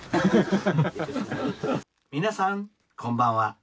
「皆さんこんばんは。